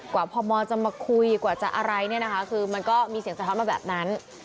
พมจะมาคุยกว่าจะอะไรเนี่ยนะคะคือมันก็มีเสียงสะท้อนมาแบบนั้น